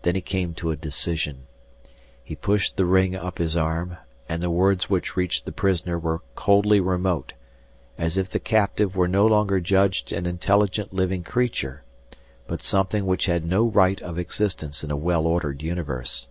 Then he came to a decision. He pushed the ring up his arm, and the words which reached the prisoner were coldly remote, as if the captive were no longer judged an intelligent living creature but something which had no right of existence in a well ordered universe.